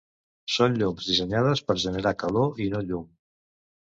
Són llums dissenyades per generar calor i no llum.